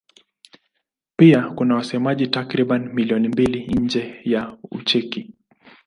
Pia kuna wasemaji takriban milioni mbili nje ya Ucheki.